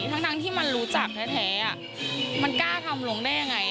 ทั้งทั้งที่มันรู้จักแท้แท้อ่ะมันกล้าทำลงได้ยังไง